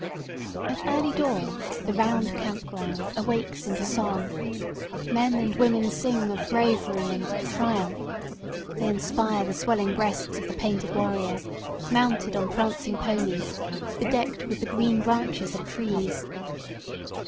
At early dawn the round camp ground awakes into song. Men and women sing of bravery and of triumph. They inspire the swelling breasts of the painted warriors mounted on prancing ponies bedecked with the green branches of trees.